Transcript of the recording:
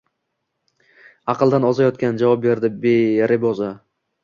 Aqldan ozayozgan, javob berdi Reboza